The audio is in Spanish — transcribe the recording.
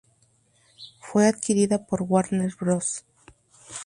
Fue adquirida por Warner Bros.